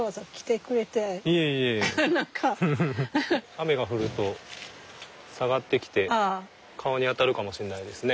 雨が降ると下がってきて顔に当たるかもしれないですね。